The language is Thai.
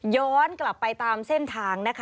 ย้อนกลับไปตามเส้นทางนะคะ